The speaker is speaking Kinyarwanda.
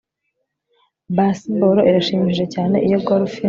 Baseball irashimishije cyane iyo golf